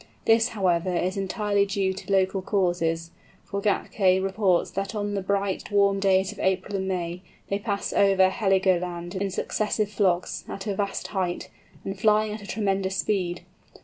This, however, is entirely due to local causes, for Gätke reports that on the bright warm days of April and May they pass over Heligoland in successive flocks, at a vast height, and flying at a tremendous speed.